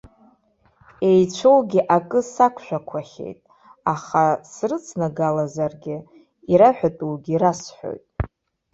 Еицәоугьы акы сақәшәақәахьеит, аха, срыцнагалаӡазаргьы, ираҳәатәугьы расҳәоит.